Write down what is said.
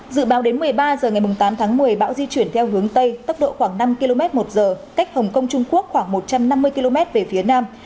dự báo đến một mươi ba h ngày tám tháng một mươi bão di chuyển theo hướng tây tốc độ khoảng năm km một giờ cách hồng kông trung quốc khoảng một trăm năm mươi km về phía nam